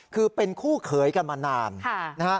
คือเป็นคู่เขยกันมานานนะฮะ